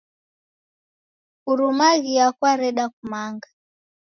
Kurumaghia kwareda kumanga.